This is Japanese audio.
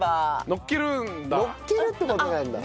のっけるんだ。